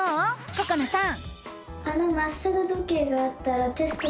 ここなさん！